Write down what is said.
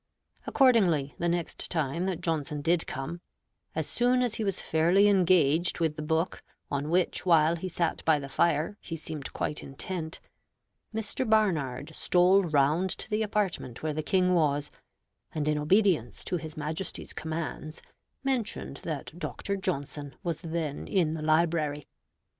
Accordingly, the next time that Johnson did come, as soon as he was fairly engaged with the book, on which, while he sat by the fire, he seemed quite intent, Mr. Barnard stole round to the apartment where the King was, and in obedience to his Majesty's commands mentioned that Dr. Johnson was then in the library.